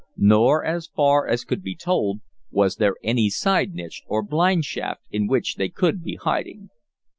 Nor, as far as could be told, was there any side niche, or blind shaft, in which they could be hiding.